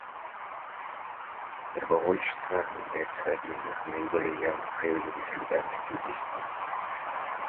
Добровольчество является одним из наиболее явных проявлений солидарности в действии.